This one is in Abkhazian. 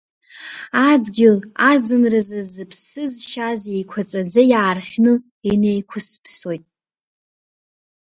Адгьыл, аӡынразы зыԥсы зшьаз, еиқәаҵәаӡа иаарҳәны инеиқәысыԥсоит.